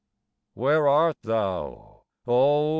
Where art thou, oh!